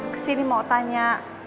kesini mau tanya